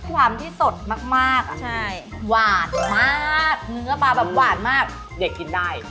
ความที่สดมากหวานมากเนื้อปลาแบบหวานมากเด็กกินได้